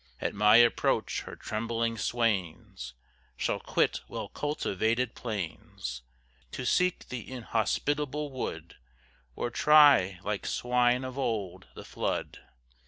At my approach her trembling swains Shall quit well cultivated plains, To seek the inhospitable wood; Or try, like swine of old, the flood.